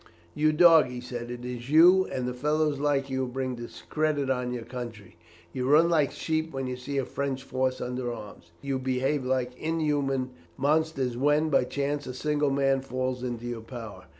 "'You dog!' he said, 'it is you, and the fellows like you, who bring discredit on your country. You run like sheep when you see a French force under arms. You behave like inhuman monsters when, by chance, a single man falls into your power.